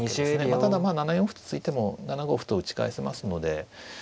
ただまあ７四歩と突いても７五歩と打ち返せますので。